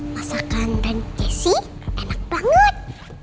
masakan tante jessy enak banget